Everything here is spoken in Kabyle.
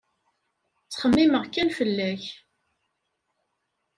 Ttxemmimeɣ kan fell-ak.